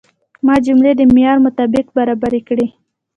ما جملې د معیار مطابق برابرې کړې.